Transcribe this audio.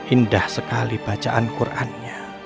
indah sekali bacaan qur'annya